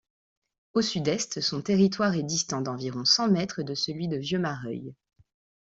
Au sud-est, son territoire est distant d'environ cent mètres de celui de Vieux-Mareuil.